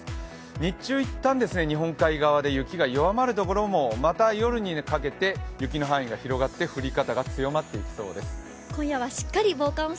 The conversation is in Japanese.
日中一旦日本海側で弱まるところもまた夜にかけて雪の範囲が広がって降り方が強まっていきそうです。